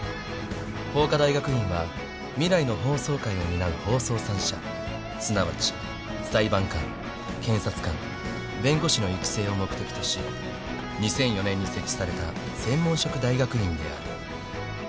［法科大学院は未来の法曹界を担う法曹三者すなわち裁判官検察官弁護士の育成を目的とし２００４年に設置された専門職大学院である］